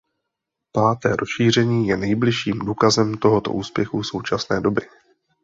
Páté rozšíření je nejbližším důkazem tohoto úspěchu současné doby.